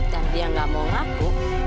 dan dia gak mau ngaku